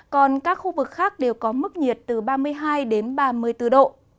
còn các khu vực khác đều có mức nhiệt từ ba mươi hai đến ba mươi bốn độ